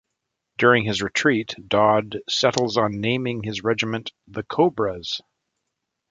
During his retreat, Dodd settles on naming his regiment the Cobras.